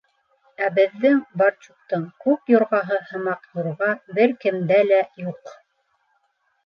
Ә беҙҙең барчуктың күк юрғаһы һымаҡ юрға бер кем дә лә юҡ.